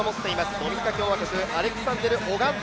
ドミニカ共和国アレクサンドル・オガンド。